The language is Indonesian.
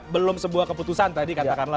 belum sebuah keputusan tadi katakanlah